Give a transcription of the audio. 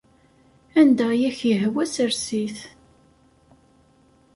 Anda i ak-yehwa sers-it.